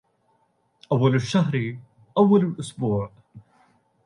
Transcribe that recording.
أول الشهر أول الأسبوع